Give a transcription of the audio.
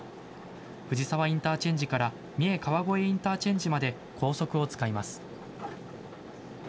藤沢インターチェンジからみえ川越インターチェンジまで高速を使います。